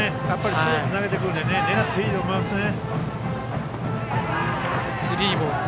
ストレート投げてくるので狙っていいと思いますね。